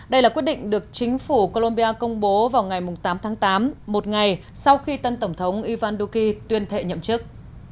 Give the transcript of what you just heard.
đây là quyết định được chính phủ colombia công bố vào ngày tám tháng tám một ngày sau khi tân tổng thống ivan duki tuyên thệ nhậm chức